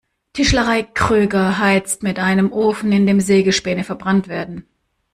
Tischlerei Kröger heizt mit einem Ofen, in dem Sägespäne verbrannt werden.